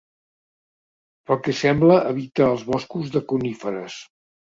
Pel que sembla evita els boscos de coníferes.